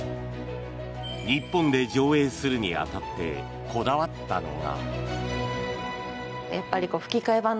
日本で上映するに当たってこだわったのが。